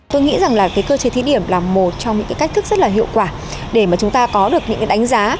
tôi nghĩ rằng là cái cơ chế thí điểm là một trong những cái cách thức rất là hiệu quả để mà chúng ta có được những cái đánh giá